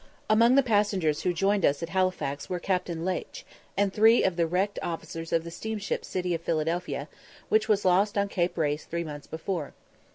Among the passengers who joined us at Halifax were Captain Leitch, and three of the wrecked officers of the steamship City of Philadelphia, which was lost on Cape Race three months before.